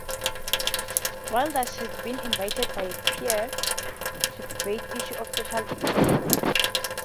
Wilders had been invited by a peer to debate issues of social inclusion.